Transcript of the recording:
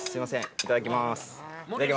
いただきます。